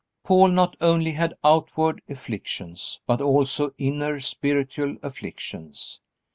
Paul not only had outward afflictions but also inner, spiritual afflictions.